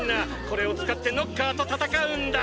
これを使ってノッカーと戦うんだ！